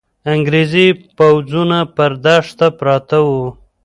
انګریزي پوځونه پر دښته پراته وو.